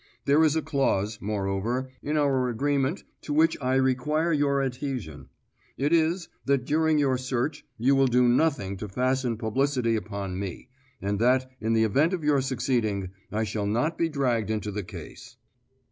There is a clause, moreover, in our agreement to which I require your adhesion. It is, that during your search you will do nothing to fasten publicity upon me, and that, in the event of your succeeding, I shall not be dragged into the case."